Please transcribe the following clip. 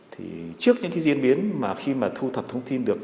thì trước những cái diễn biến mà khi mà thu thập thông tin được